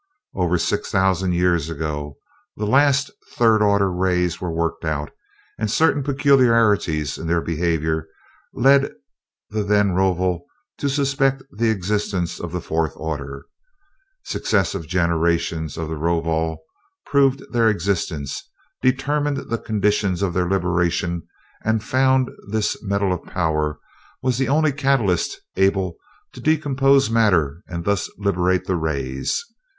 "Over six thousand years ago the last third order rays were worked out; and certain peculiarities in their behavior led the then Rovol to suspect the existence of the fourth order. Successive generations of the Rovol proved their existence, determined the conditions of their liberation, and found that this metal of power was the only catalyst able to decompose matter and thus liberate the rays.